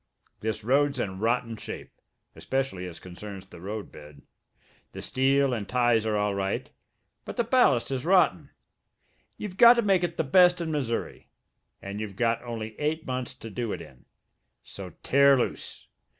This road's in rotten shape, especially as concerns the roadbed. The steel and ties are all right, but the ballast is rotten. You've got to make it the best in Missouri, and you've got only eight months to do it in. So tear loose.